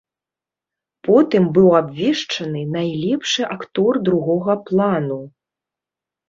Потым быў абвешчаны найлепшы актор другога плану.